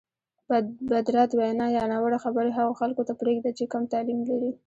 بدرد وینا یا ناوړه خبرې هغو خلکو ته پرېږده چې کم تعلیم لري.